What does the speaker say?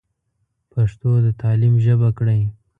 پښتو د تعليم ژبه کړئ.